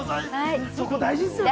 そこ大事ですよね。